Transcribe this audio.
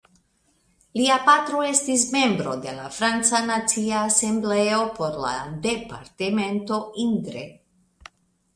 Lia patro estis membro de la franca Nacia Asembleo por la departemento Indre.